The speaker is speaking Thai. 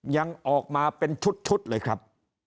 ยังออกมาเป็นชุดเลยครับ